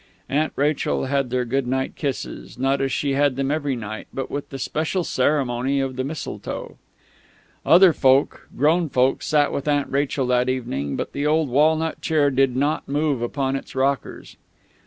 Aunt Rachel had their good night kisses, not as she had them every night, but with the special ceremony of the mistletoe. Other folk, grown folk, sat with Aunt Rachel that evening; but the old walnut chair did not move upon its rockers.